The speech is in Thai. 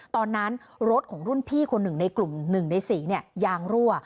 ตอนนั้นรถของรุ่นพี่คนหนึ่งในกลุ่ม๑ใน๔ยางรั่ว